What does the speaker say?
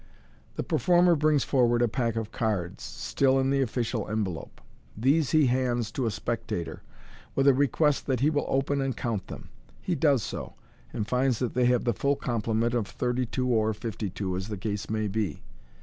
The performer brings forward a pack of cards, still in the official envelope. These he hands to a spectator, with a request that he will open and count them. He does so, and finds that they have the full complement (of thirty two or fifty two, as the case may be).